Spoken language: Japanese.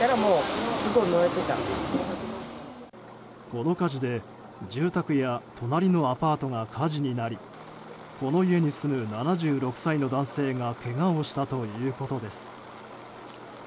この火事で住宅や隣のアパートが火事になりこの家に住む７６歳の男性がけがをしたということです。